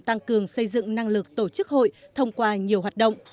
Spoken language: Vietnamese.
tăng cường xây dựng năng lực tổ chức hội thông qua nhiều hoạt động